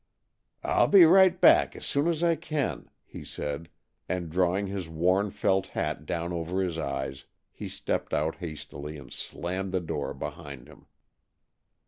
"I'll be right back, as soon as I can," he said, and, drawing his worn felt hat down over his eyes, he stepped out hastily and slammed the door behind him.